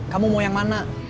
kamu mau yang mana